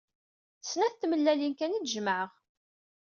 Snat tmellalin kan i d-jemɛeɣ.